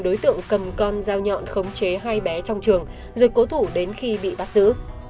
đối tượng cầm con dao nhọn khống chế hai bé trong trường rồi cố thủ đến khi bị bắt giữ